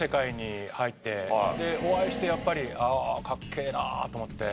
でお会いしてやっぱりああかっけえなと思って。